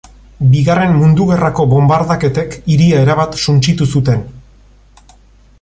Bigarren Mundu Gerrako bonbardaketek hiria erabat suntsitu zuten.